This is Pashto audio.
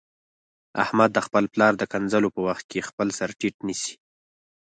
احمد د خپل پلار د کنځلو په وخت کې خپل سرټیټ نیسي.